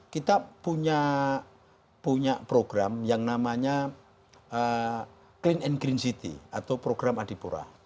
kita punya program yang namanya clean and green city atau program adipura